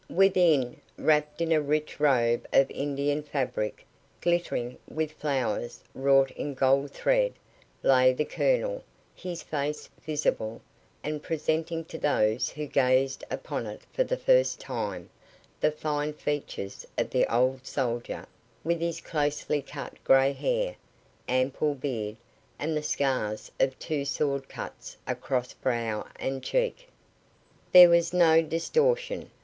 Within wrapped in a rich robe of Indian fabric, glittering with flowers wrought in gold thread lay the Colonel, his face visible, and presenting to those who gazed upon it for the first time, the fine features of the old soldier, with his closely cut grey hair, ample beard, and the scars of two sword cuts across brow and cheek. There was no distortion.